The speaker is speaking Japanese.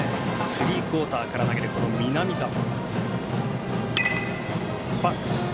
スリークオーターから投げる南澤。